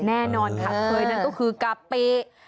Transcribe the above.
แน่นอนค่ะเคยนั่นก็คือกะปิ